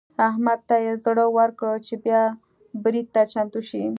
احمد ته يې زړه ورکړ چې بيا برید ته چمتو شي.